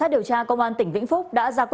chứa mại dâm